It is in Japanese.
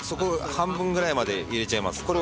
半分ぐらいまで入れちゃいます。